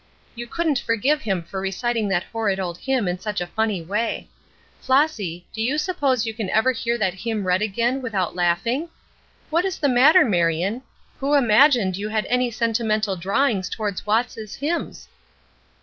You couldn't forgive him for reciting that horrid old hymn in such a funny way. Flossy, do you suppose you can ever hear that hymn read again without laughing? What was the matter, Marion? Who imagined you had any sentimental drawings toward Watts' hymns?"